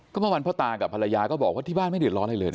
เมื่อวานพ่อตากับภรรยาก็บอกว่าที่บ้านไม่เดือดร้อนอะไรเลยนะ